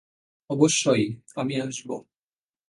অবশ্যই, আমি আসব।